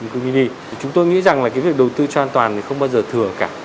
chúng tôi nghĩ rằng việc đầu tư cho an toàn thì không bao giờ thừa cả